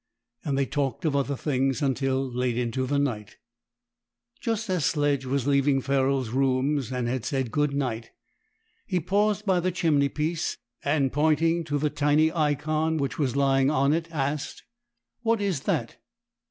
And they talked of other things until late into the night. Just as Sledge was leaving Ferrol's rooms and had said "Good night," he paused by the chimney piece, and, pointing to the tiny Ikon which was lying on it, asked: "What is that?"